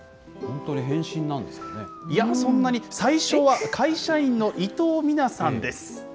いや、そんなに、最初は会社員の伊東美奈さんです。